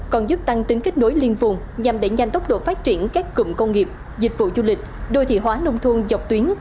còn giúp tăng tính kết nối liên vùng nhằm đẩy nhanh tốc độ phát triển các cụm công nghiệp dịch vụ du lịch đô thị hóa nông thôn dọc tuyến